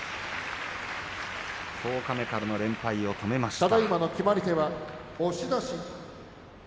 十日目からの連敗を止めました。